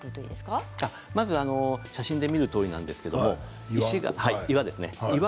まず写真で見るとおりなんですけれども岩ですね。